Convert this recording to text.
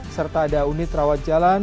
serta ada perusahaan yang menjaga keamanan